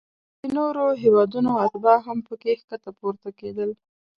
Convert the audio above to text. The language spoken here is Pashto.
د نورو هیوادونو اتباع هم پکې ښکته پورته کیدل.